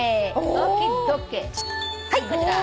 はいこちら！